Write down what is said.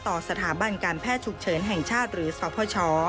ต่อสถาบันการแพทย์ฉุกเฉินแห่งชาติหรือสพช